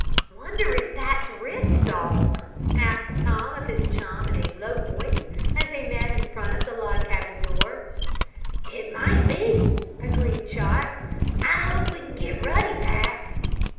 "Wonder if that's Rick's dog?" asked Tom of his chum in a low voice as they met in front of the log cabin door. "It might be," agreed Chot. "I hope we can get Ruddy back."